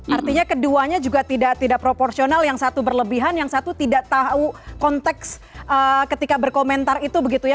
artinya keduanya juga tidak proporsional yang satu berlebihan yang satu tidak tahu konteks ketika berkomentar itu begitu ya